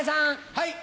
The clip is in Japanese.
はい。